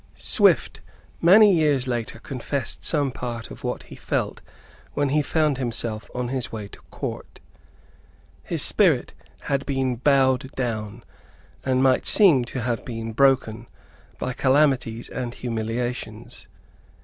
Swift many years later confessed some part of what he felt when he found himself on his way to Court. His spirit had been bowed down, and might seem to have been broken, by calamities and humiliations.